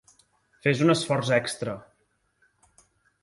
Fes un esforç extra.